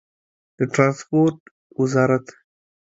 د ټرانسپورټ وزارت